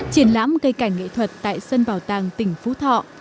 triển lãm cây cảnh nghệ thuật tại sân bảo tàng tỉnh phú thọ